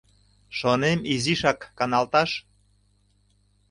Шонем изишак каналташ.